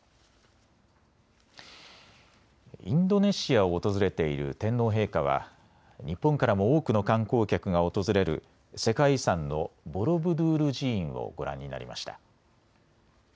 インドネシアを訪れている天皇陛下は日本からも多くの観光客が訪れる世界遺産のボロブドゥール寺院をご覧になりました。